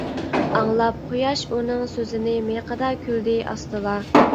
ئاڭلاپ قۇياش ئۇنىڭ سۆزىنى، مىيىقىدا كۈلدى ئاستىلا.